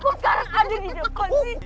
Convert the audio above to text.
kok sekarang ada di depan sih